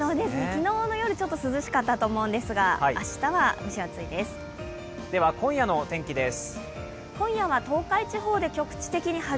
昨日の夜、ちょっと涼しかったと思うんですが、明日は蒸し暑いです。